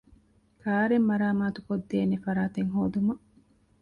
ކާރެއް މަރާމާތުކޮށްދޭނެ ފަރާތެއް ހޯދުމަށް